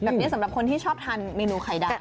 แบบนี้สำหรับคนที่ชอบทานเมนูไข่ดาว